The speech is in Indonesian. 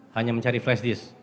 hanya mencari flash disk